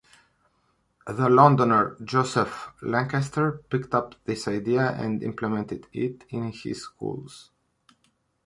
The Londoner Joseph Lancaster picked up this idea and implemented it in his schools.